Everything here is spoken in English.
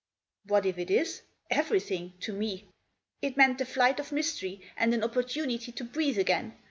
What if it is ? Everything — to me. It meant the flight of mystery, and an opportunity to breathe again.